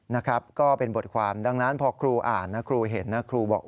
นะครับก็เป็นบทความดังนั้นพอครูอ่านนะครูเห็นนะครูบอก